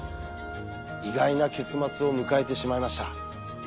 意外な結末を迎えてしまいました。